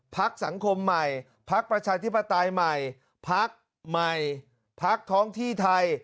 พักสังคมใหม่พักประชาธิปไตยใหม่พักใหม่พักท้องที่ไทย